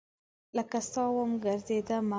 لکه سا وم ګرزیدمه